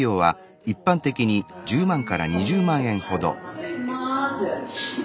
失礼します。